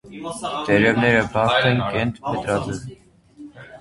Տերևները բարդ են, կենտ, փետրաձև։